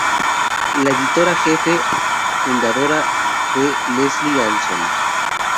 La editora jefe fundadora fue Lesley Anson.